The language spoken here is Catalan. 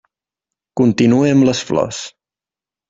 Continue amb les flors.